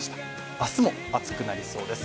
明日も暑くなりそうです。